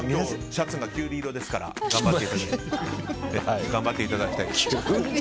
シャツがキュウリ色ですから頑張っていただきたい。